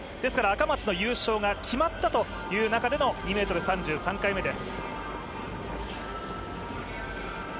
赤松の優勝が決まったという中での２ｍ３０、３回目です。